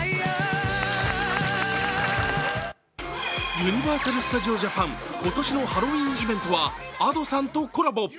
ユニバーサル・スタジオ・ジャパン、今年のハロウィーンイベントはＡｄｏさんとコラボ。